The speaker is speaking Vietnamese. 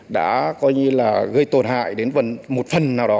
đã coi như là gây tổn hại đến một phần nào đó